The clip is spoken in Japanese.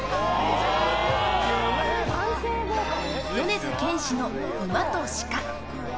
米津玄師の「馬と鹿」。